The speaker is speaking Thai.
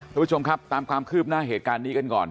ทุกผู้ชมครับตามความคืบหน้าเหตุการณ์นี้กันก่อน